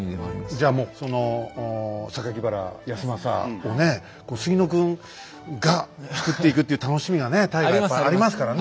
じゃあもうその原康政をね杉野君がつくっていくっていう楽しみが大河はありますからね。